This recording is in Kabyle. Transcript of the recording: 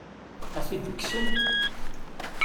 Ad t-id-kksen?